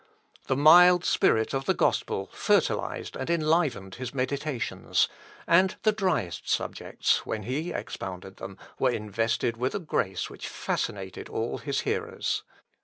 The mild spirit of the gospel fertilized and enlivened his meditations, and the driest subjects when he expounded them were invested with a grace which fascinated all his hearers.